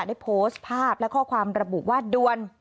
ได้โพสต์ภาพและข้อความระบุว่าด่วน